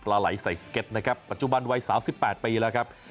ไหลใส่สเก็ตนะครับปัจจุบันวัย๓๘ปีแล้วครับ